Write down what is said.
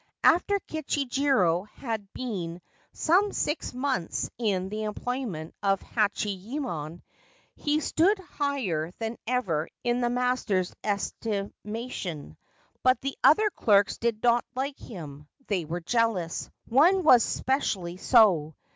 After Kichijiro had been some six months in the employment of Hachiyemon he stood higher than ever in the master's estimation ; but the other clerks did not like him. They were jealous. One was specially so.